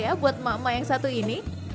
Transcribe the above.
apa kabar buat emak emak yang satu ini